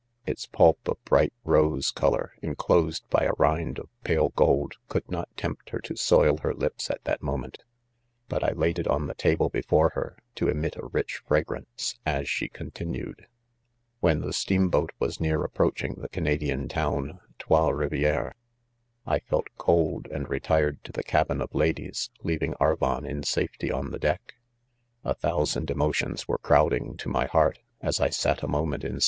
Its pulp of' bright rose coloi^ enclosed by a rind of pale gold, could not; tempt liei' to soil hei" lips' at that moment ; but I laid it on tlie "Table" b^ore^Ber^" to' emit' a irtclrfra " pTahce. as' shs continued % d4< §0 jnomm^ ,.£ When the steamboat v was near approach ing .the Canadian town, Trois Rivieres^ I felt cold, and retired to the cabin of ladies, , leav ing Aryon in. safety on the deck.. , 1 A thousand emotions were crowding to my heart, as 1 sat a' 'moment in.